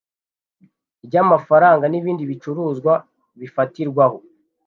Ry amafaranga n ibindi bicuruzwa bifatirwaho